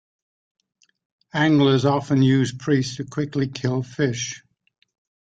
Anglers often use priests to quickly kill fish.